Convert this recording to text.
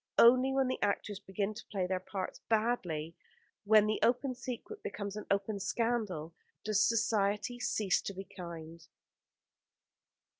Only when the actors begin to play their parts badly, and when the open secret becomes an open scandal, does Society cease to be kind.